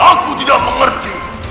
aku tidak mengerti